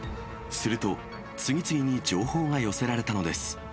すると次々に情報が寄せられたのです。